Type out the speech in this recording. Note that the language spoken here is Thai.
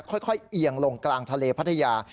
ค่อยเหี่ยงลงกลางทะเลพัทยา